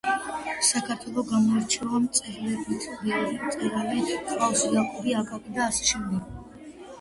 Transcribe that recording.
საქართველო გამოირჩევა მწერლებით ბევრი მწერალი გვყავს იაკობი აკაკი და აშშ